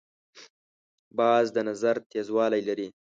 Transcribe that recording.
باز د نظر تیزوالی لري